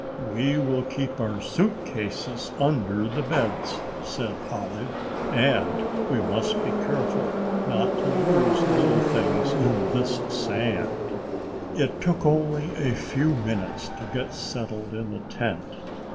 "We will keep our suit cases under the beds," said Olive. "And we must be careful not to lose little things in this sand." It took only a few minutes to get settled in the tent.